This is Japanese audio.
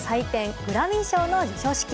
グラミー賞の授賞式。